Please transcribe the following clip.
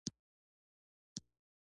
که ټوخي وهلي یاست ډېر مایعت واخلئ